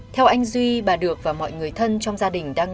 theo anh duy bà được và mọi người thân trong gia đình đang